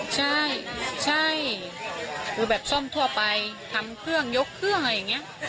ใช่ใช่คือแบบซ่อมทั่วไปทำเครื่องยกเครื่องอะไรอย่างนี้